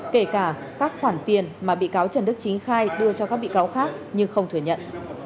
kể cả các khoản tiền mà bị cáo trần đức chính khai đưa cho các bị cáo khác nhưng không thừa nhận